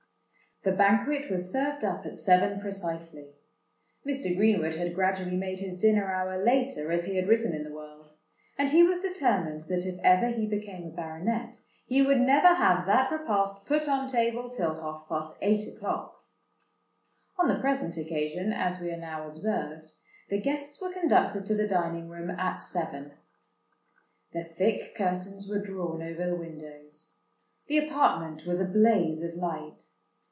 The banquet was served up at seven precisely:—Mr. Greenwood had gradually made his dinner hour later as he had risen in the world; and he was determined that if ever he became a baronet, he would never have that repast put on table till half past eight o'clock. On the present occasion, as we ere now observed, the guests were conducted to the dining room at seven. The thick curtains were drawn over the windows: the apartment was a blaze of light.